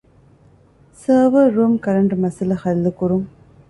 ސަރވަރ ރޫމް ކަރަންޓު މައްސަލަ ޙައްލުކުރުން